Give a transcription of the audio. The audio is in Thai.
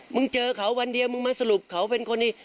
มึงเจอเขาวันเดียวมึงมาสรุปเขาเป็นคนดี